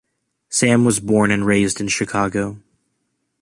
Sam was born and raised in Chicago.